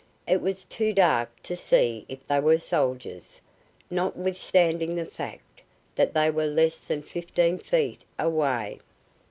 It was too dark to see if they were soldiers, notwithstanding the fact that they were less than fifteen feet away.